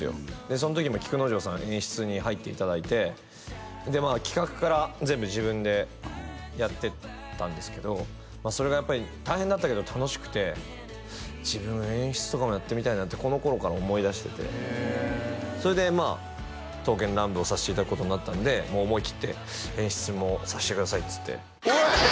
その時も菊之丞さん演出に入っていただいて企画から全部自分でやってたんですけどそれがやっぱり大変だったけど楽しくて自分演出とかもやってみたいなってこの頃から思いだしててへえそれで「刀剣乱舞」をさせていただくことになったんでもう思いきって「演出もさせてください」っつっておい！